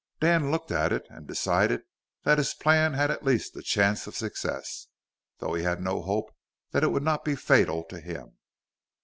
Dan looked at it and decided that his plan had at least a chance of success though he had no hope that it would not be fatal to him.